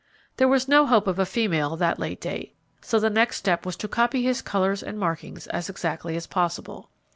There was no hope of a female that late date, so the next step was to copy his colours and markings as exactly as possible.